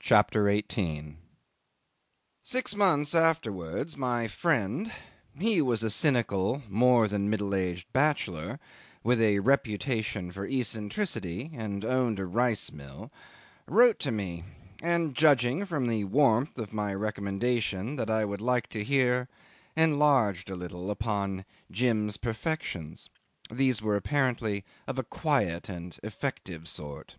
CHAPTER 18 'Six months afterwards my friend (he was a cynical, more than middle aged bachelor, with a reputation for eccentricity, and owned a rice mill) wrote to me, and judging, from the warmth of my recommendation, that I would like to hear, enlarged a little upon Jim's perfections. These were apparently of a quiet and effective sort.